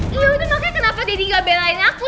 itu makanya kenapa deddy nggak belain aku